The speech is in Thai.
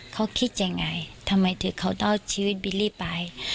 เขาคิดยังไงทำไมถึงเขาต้องเอาชีวิตบิลลี่ไป